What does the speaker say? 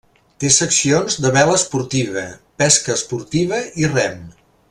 Té seccions de vela esportiva, pesca esportiva i rem.